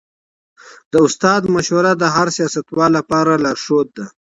د استاد مشوره د هر سياستوال لپاره لارښود ده.